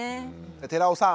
寺尾さん。